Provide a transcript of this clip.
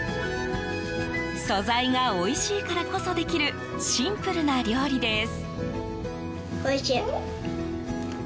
素材がおいしいからこそできるシンプルな料理です。